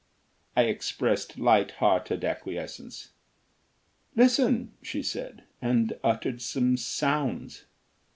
I expressed light hearted acquiescence. "Listen," she said, and uttered some sounds.